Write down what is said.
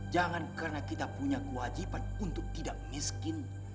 jangan karena kita punya kewajiban untuk tidak miskin